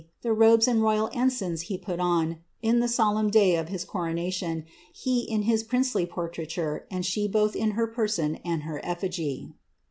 The robes and royal ensigns he put on r die solemn day of his coronation. He in his princely portraiture, and she Both in her person and her effigy."